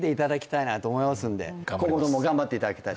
今後とも頑張っていただきたい。